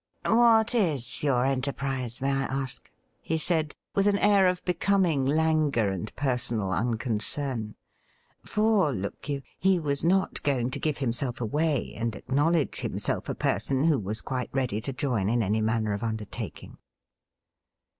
' What is your enterprise, may I ask T he said, with an air of becoming languor and personal unconcern ; for, look you, he was not going to give himself away and acknow ledge himself a person who was quite ready to join in any manner of imdertaking.